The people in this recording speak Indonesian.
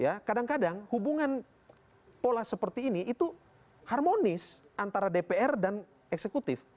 ya kadang kadang hubungan pola seperti ini itu harmonis antara dpr dan eksekutif